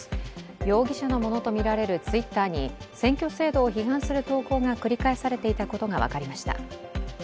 容疑者のものとみられるＴｗｉｔｔｅｒに選挙制度を批判する投稿が繰り返されていたことが分かりました。